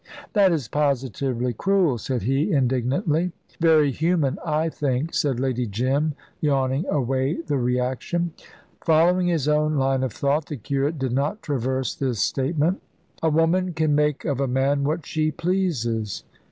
"That is positively cruel," said he, indignantly. "Very human, I think," said Lady Jim, yawning away the reaction. Following his own line of thought, the curate did not traverse this statement. "A woman can make of a man what she pleases."